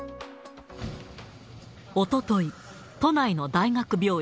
おととい、都内の大学病院。